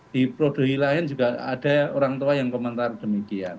di prodohi lain juga ada orang tua yang komentar demikian